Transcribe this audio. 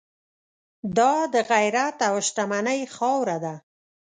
دا د غیرت او شتمنۍ خاوره ده.